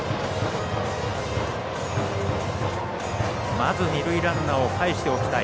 まず二塁ランナーをかえしておきたい。